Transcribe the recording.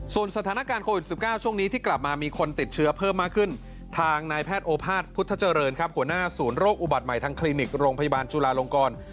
ส่วนสถานการณ์โควิด๑๙ช่วงนี้ที่กลับมามีคนติดเชื้อเพิ่มมากขึ้นทางนายแพทย์โอภาษพุทธเจริญครับหัวหน้าศูนย์โรคอุบัติใหม่ทางคลินิกโรงพยาบาลจุลาลงกร